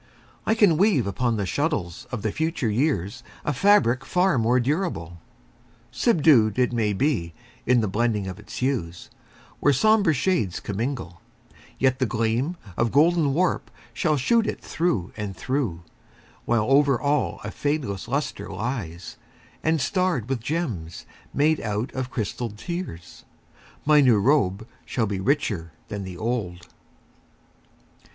I can weave Upon the shuttles of the future years A fabric far more durable. Subdued, It may be, in the blending of its hues, Where somber shades commingle, yet the gleam Of golden warp shall shoot it through and through, While over all a fadeless luster lies, And starred with gems made out of crystalled tears, My new robe shall be richer than the old.